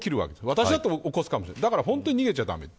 私だって起こすかもしれないだから本当に逃げちゃ駄目。